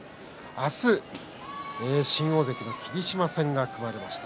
明日は新大関の霧島戦が組まれました。